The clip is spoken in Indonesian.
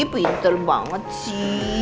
pintel banget ci